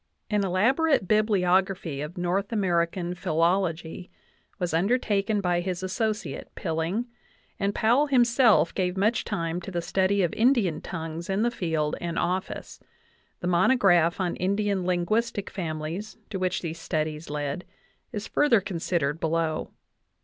An elaborate Bibliography of North American Philology was undertaken by his associate, Pilling, and Powell himself gave much time to the study of Indian tongues in the field and office; the mono graph on Indian linguistic families, to which these studies led, is further considered below.